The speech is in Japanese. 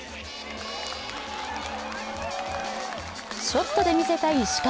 ショットで見せた石川。